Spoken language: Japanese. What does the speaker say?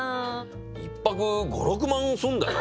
１泊５６万すんだよ。